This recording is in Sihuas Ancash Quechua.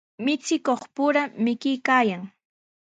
Michikuqpura mikuykaayan.